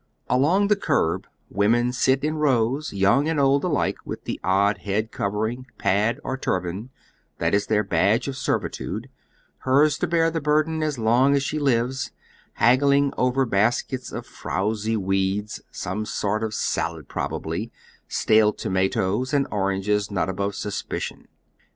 Along the curb wom en sit in rows, young and old aUke with the odd head cov ering, pad or turban, that is their badge of servitude — herd's to bear the burden as long as she lives — haggling over baskets of frowsy weeds, some sort of salad prob ably, stale tomatoes, and oranges not above suspicion.